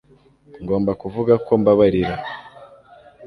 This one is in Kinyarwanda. ngomba kuvuga ko mbabarira